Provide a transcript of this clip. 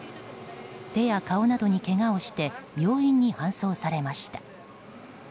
手や顔などにけがをして病院に搬送されました。